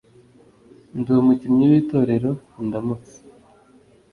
ndi umukinnyi w’itorero indamutsa,